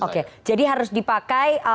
oke jadi harus dipakai